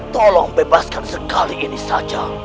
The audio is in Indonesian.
tolong bebaskan sekali ini saja